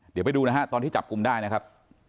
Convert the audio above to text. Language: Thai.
เดี๋ยวไปดูนะฮะตอนที่จับกลุ่มได้นะครับ